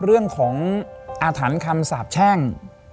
เรื่องของอาถรรพ์คำสาบแช่ง